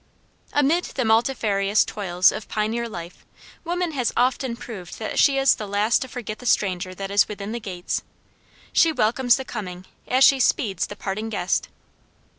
Amid the multifarious toils of pioneer life, woman has often proved that she is the last to forget the stranger that is within the gates. She welcomes the coming as she speeds the parting guest.